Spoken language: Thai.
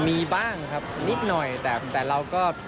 มีบ้างครับนิดหน่อยแต่เราก็